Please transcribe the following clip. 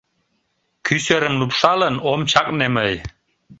Кӱ серым лупшалын ом чакне мый.